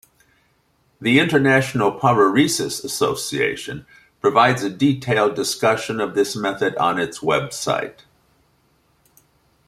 The International Paruresis Association provides a detailed discussion of this method on its website.